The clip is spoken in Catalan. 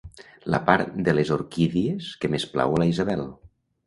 La part de les orquídies que més plau a la Isabel.